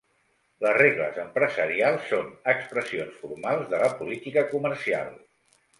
Les regles empresarials són expressions formals de la política comercial.